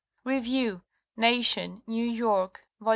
Review : Nation (The) New York, vol.